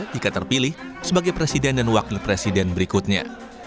jika terpilih sebagai presiden dan wakil presiden berikutnya